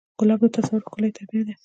ګلاب د تصور ښکلی تعبیر دی.